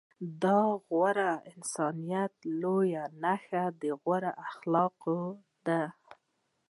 د غوره انسانيت لويه نښه غوره اخلاق دي.